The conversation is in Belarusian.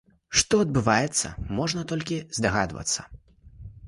Што адбываецца, можна толькі здагадвацца.